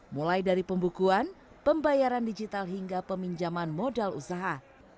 mulai dari pembukuan pembayaran digital hingga peminjaman modal usaha